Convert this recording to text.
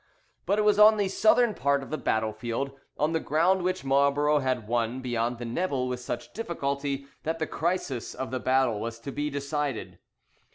But it was on the southern part of the battle field, on the ground which Marlborough had won beyond the Nebel with such difficulty, that the crisis of the battle was to be decided.